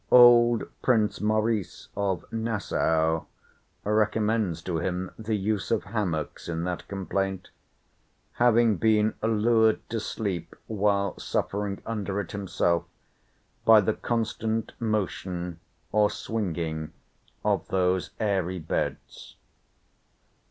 —Old Prince Maurice of Nassau recommends to him the use of hammocks in that complaint; having been allured to sleep, while suffering under it himself, by the "constant motion or swinging of those airy beds."